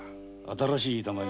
新しい板前。